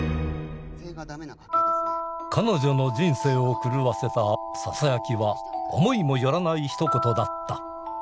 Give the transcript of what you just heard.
彼女の人生を狂わせたささやきは思いも寄らないひと言だった。